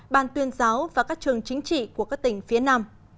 ban tuyên giáo và các trường chính trị của các tỉnh phía nam